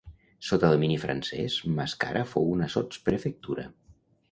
Sota domini francès Mascara fou una sotsprefectura.